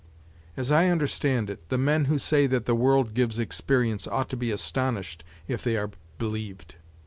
As I understand it, the men who say that the world gives experience ought to be astonished if they are believed.